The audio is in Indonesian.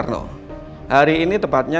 sebagai pengetahuan usia